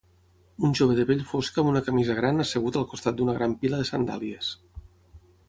Un jove de pell fosca amb una camisa gran assegut al costat d'una gran pila de sandàlies.